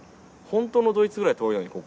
ホントのドイツぐらい遠いのにここ。